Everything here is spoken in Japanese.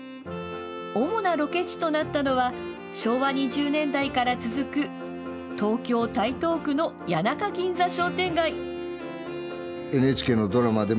主なロケ地となったのは昭和２０年代から続く東京・台東区の谷中銀座商店街。